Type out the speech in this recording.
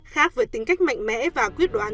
khác với tính cách mạnh mẽ và quyết đoạn